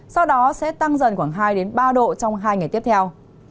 sau đó sẽ tăng dần khoảng hai ba độ trong hai ngày tiếp theo